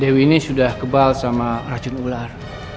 dewi ini sudah kebal sama racun ular